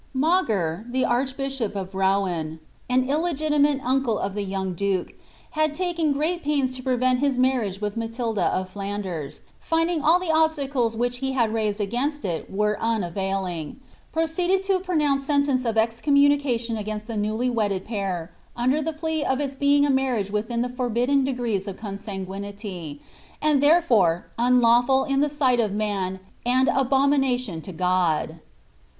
Mau^r. Uio arehbtBhop pf Ronen, an illegitimate uncle of the yonnf duke, who had taken great pains to prevent hia maniage with Matilda air FtaiiHcra, finding all the obstacles which he had mised ai^nsi it vren unavailing, proceeded to pronounce sentence of excornmunicaiinn a^nst the nctrly wedded pnir, under the plea of its being a marringe witliin th< forbidden degrees of ronsangiiinily/ and therefore unlawful in the nghl cf man. and abominable to God.